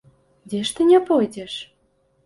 Дзе ж ты не пойдзеш!